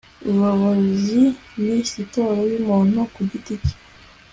ubuyobozi ni siporo y'umuntu ku giti cye